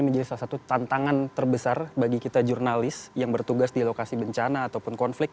menjadi salah satu tantangan terbesar bagi kita jurnalis yang bertugas di lokasi bencana ataupun konflik